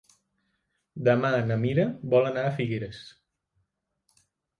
Demà na Mira vol anar a Figueres.